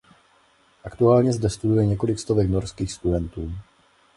Aktuálně zde studuje několik stovek norských studentů.